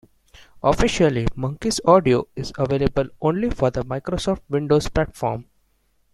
Officially, Monkey's Audio is available only for the Microsoft Windows platform.